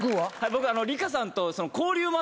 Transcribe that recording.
僕。